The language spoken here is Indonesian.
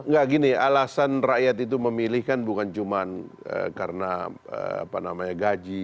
nggak gini alasan rakyat itu memilih kan bukan cuma karena gaji